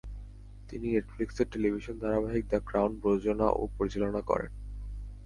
তিনি নেটফ্লিক্সের টেলিভিশন ধারাবাহিক দ্য ক্রাউন প্রযোজনা ও পরিচালনা করেন।